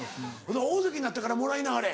大関になってからもらいなはれ。